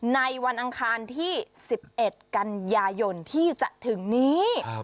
ในวันอังคารที่๑๑กันยายนที่จะถึงนี้